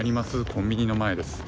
コンビニの前です。